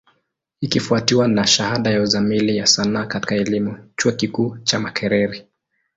Ikifwatiwa na shahada ya Uzamili ya Sanaa katika elimu, chuo kikuu cha Makerere.